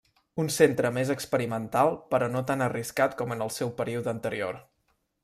Un centre més experimental però no tan arriscat com en el seu període anterior.